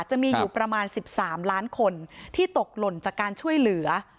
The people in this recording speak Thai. จะมีอยู่ประมาณ๑๓ล้านคนที่ตกหล่นจากการช่วยเหลือ